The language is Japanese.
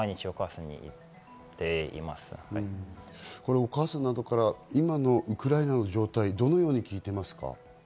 お母さんなどから今のウクライナの状態、どのように聞いていますか？